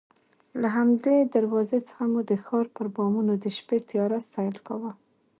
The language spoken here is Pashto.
له همدې دروازې څخه مو د ښار پر بامونو د شپې تیاره سیل کاوه.